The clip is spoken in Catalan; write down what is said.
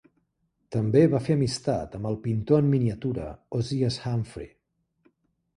També va fer amistat amb el pintor en miniatura Ozias Humphrey.